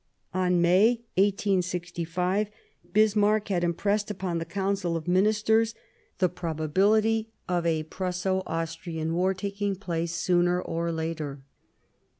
In May 1865 Bismarck had impressed upon the Council of Ministers the probability of a Prusso Austrian War taking place sooner or later.